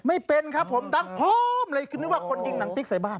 ไม่เป็นครับผมดันพร้อมเลยคือนึกว่าคนยิงหนังติ๊กใส่บ้าน